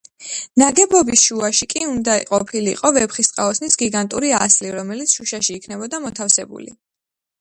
ნაგებობის შუაში კი უნდა ყოფილიყო ვეფხისტყაოსნის გიგანტური ასლი, რომელიც შუშაში იქნებოდა მოთავსებული.